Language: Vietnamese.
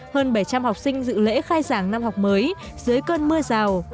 hơn bảy trăm linh học sinh dự lễ khai giảng năm học mới dưới cơn mưa rào